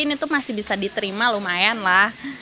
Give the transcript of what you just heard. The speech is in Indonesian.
ini tuh masih bisa diterima lumayan lah